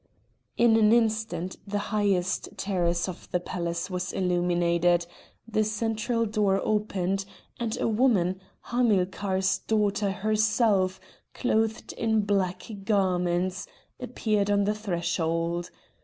In an instant the highest terrace of the palace was illuminated, the central door opened, and a woman, Hamilcar's daughter herself, clothed in black garments, appeared on the threshold.